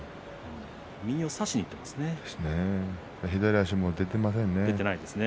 左足も出ていませんね。